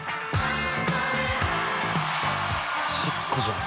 シックじゃん。